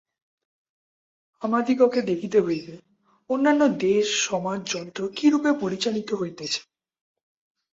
আমাদিগকে দেখিতে হইবে, অন্যান্য দেশে সমাজ-যন্ত্র কিরূপে পরিচালিত হইতেছে।